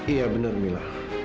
iya benar mila